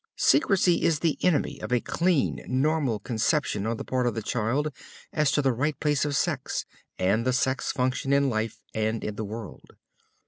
Secrecy is the enemy of a clean, normal conception on the part of the child as to the right place sex and the sex function play in life and in the world.